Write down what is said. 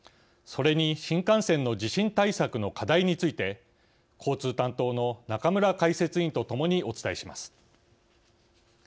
それに新幹線の地震対策の課題について交通担当の中村解説委員とともにお伝えします。